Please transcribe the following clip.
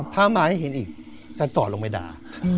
ถ้ามาให้เห็นอีกจะจอดลงไปด่า